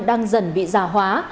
đang dần bị già hóa